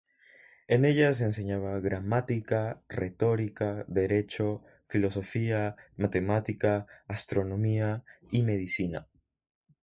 En ella se enseñaba Gramática, Retórica, Derecho, Filosofía, Matemática, Astronomía y Medicina.